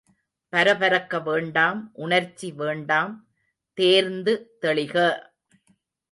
பரபரக்க வேண்டாம் உணர்ச்சி வேண்டாம் தேர்ந்து தெளிக!